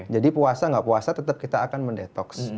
jadi puasa nggak puasa tetap kita akan mendetoks